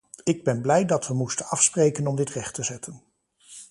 Ik ben blij dat we moesten afspreken om dit recht te zetten.